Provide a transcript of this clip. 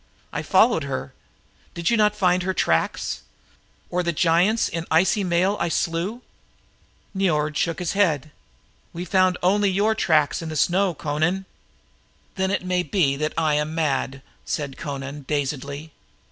I followed her. Did you not find her tracks. Or the giants in icy mail I slew?" Niord shook his head. "We found only your tracks in the snow, Amra." "Then it may be I was mad," said Amra dazedly.